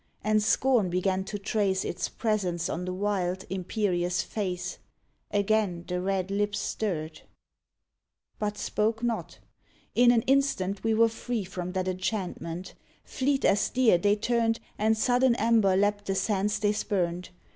And scorn began to trace Its presence on the wild, imperious face; Again the red lips stirred, 55 "THE SWIMMERS But spoke not. In an instant we were free From that enchantment: fleet as deer they turned And sudden amber leapt the sands they spumed.